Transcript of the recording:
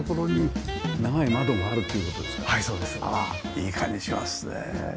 いい感じしますね。